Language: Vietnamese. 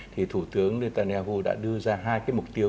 thì thủ tướng netanyahu đã đưa ra hai cái mục tiêu